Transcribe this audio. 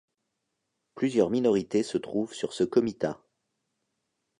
Plusieurs minorités se trouvent sur ce comitat.